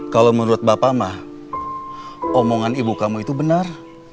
kalau menurut bapak mah omongan ibu kamu itu benar